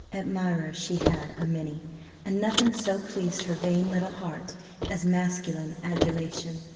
Admirers she had a many, and nothing so pleased her vain little heart as masculine adulation.